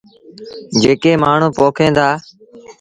جيڪي مآڻهوٚݩ پوکين دآ۔